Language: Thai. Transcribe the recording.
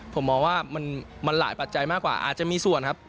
ผมมองว่ามันหลายปัจจัยมากกว่าอาจจะมีส่วนครับ